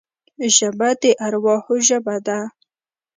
ژبه د ارواحو ژبه ده